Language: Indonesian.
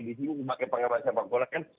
di sini pakai pengamatan saya panggulkan